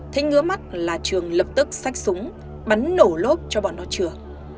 thấy ngứa mắt là trường lập tức sách súng bắn nổ lốp cho bọn nó chừa